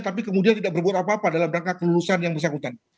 tapi kemudian tidak berbuat apa apa dalam rangka kelulusan yang bersangkutan